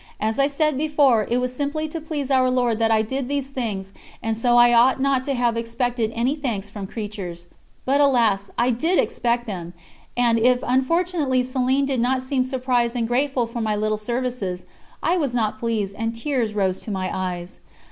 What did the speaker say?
As I said before, it was simply to please Our Lord that I did these things, and so I ought not to have expected any thanks from creatures. But, alas! I did expect them, and, if unfortunately Céline did not seem surprised and grateful for my little services, I was not pleased, and tears rose to my eyes.